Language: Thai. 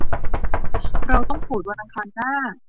เราต้องโหวตวันอังคารหน้า